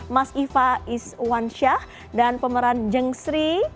mas iva iswansyah dan pemeran jeng sri